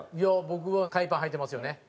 僕は海パンはいてますよね。